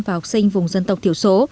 và học sinh vùng dân tộc thiểu số